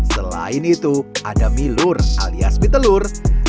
selain itu ada milur alias mie telur